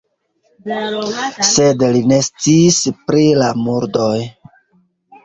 Sed li ne sciis pri la murdoj.